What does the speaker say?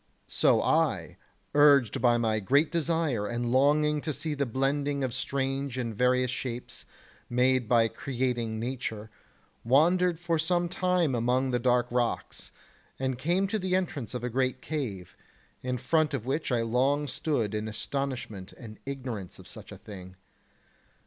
so I, urged by my great desire and longing to see the blending of strange and various shapes made by creating nature, wandered for some time among the dark rocks, and came to the entrance of a great cave, in front of which I long stood in astonishment and ignorance of such a thing.